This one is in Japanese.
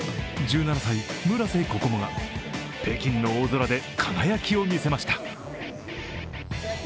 １７歳、村瀬心椛が北京の大空で輝きを見せました。